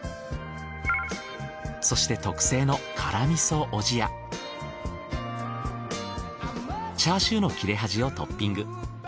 そして特製のチャーシューの切れ端をトッピング。